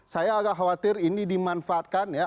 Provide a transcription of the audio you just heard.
saya agak khawatir ini dimanfaatkan ya